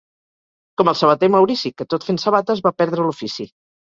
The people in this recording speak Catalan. Com el sabater Maurici, que tot fent sabates va perdre l'ofici.